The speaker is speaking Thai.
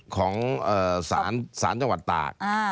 ของสารจังหวัดตาก